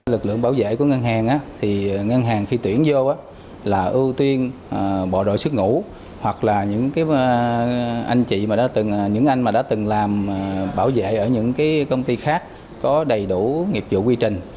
lực lượng bảo vệ của ngân hàng ngân hàng khi tuyển vô là ưu tiên bộ đội sức ngủ hoặc là những anh chị những anh đã từng làm bảo vệ ở những công ty khác có đầy đủ nghiệp vụ quy trình